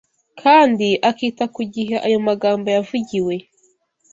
kandi akita ku gihe ayo magambo yavugiwe